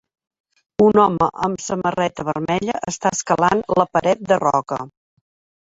Un home amb samarreta vermella està escalant la paret de roca.